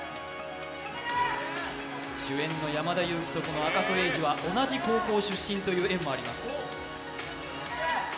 主演の山田裕貴と赤楚衛二は同じ高校出身という縁もあります。